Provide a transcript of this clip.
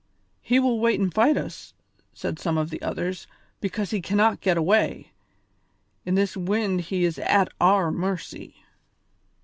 "He will wait and fight us," said some of the others, "because he cannot get away; in this wind he is at our mercy."